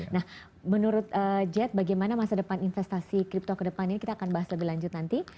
nah menurut jet bagaimana masa depan investasi crypto kedepannya kita akan bahas lebih lanjut nanti